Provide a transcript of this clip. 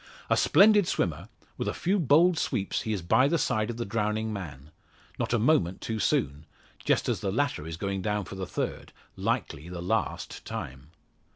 A splendid swimmer, with a few bold sweeps he is by the side of the drowning man. Not a moment too soon just as the latter is going down for the third likely the last time.